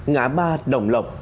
ngã ba đồng lộc